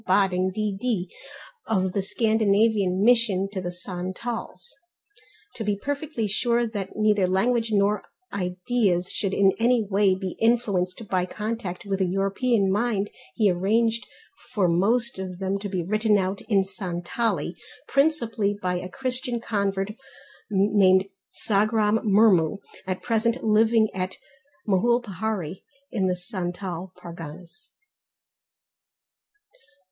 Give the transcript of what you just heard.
Bodding, D.D. of the Scandinavian Mission to the Santals. To be perfectly sure that neither language nor ideas should in any way be influenced by contact with a European mind he arranged for most of them to be written out in Santali, principally by a Christian convert named Sagram Murmu, at present living at Mohulpahari in the Santal Parganas.